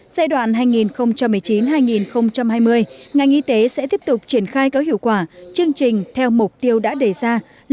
giai đoạn hai nghìn một mươi chín hai nghìn hai mươi ngành y tế sẽ tiếp tục triển khai có hiệu quả chương trình theo mục tiêu đã đề ra